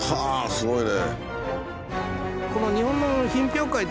すごいね。